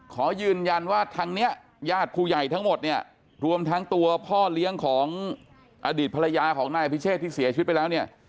ขอยืนยันว่าทางนี้ญาติผู้ใหญ่ทั้งหมดเนี่ยรวมทั้งตัวพ่อเลี้ยงของอดีตภรรยาของนายอภิเชษที่เสียชีวิตไปแล้วเนี่ย